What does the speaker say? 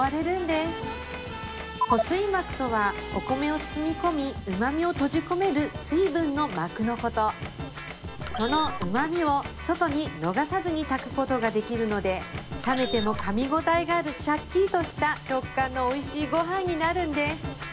水膜とはお米を包み込み旨みを閉じ込める水分の膜のことその旨みを外に逃さずに炊くことができるので冷めてもかみ応えがあるしゃっきりとした食感のおいしいごはんになるんです